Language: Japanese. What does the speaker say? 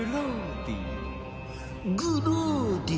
グローディ。